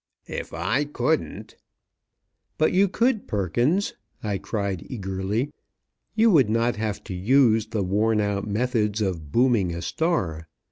If I couldn't " "But you could, Perkins," I cried, eagerly. "You would not have to use the worn out methods of booming a star.